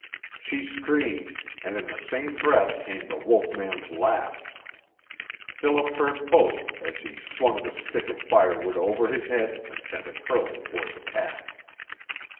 She screamed and in the same breath came the wolf man's laugh. Philip heard both as he swung the stick of firewood over his head and sent it hurling toward the pack.